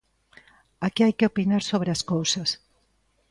Aquí hai que opinar sobre as cousas.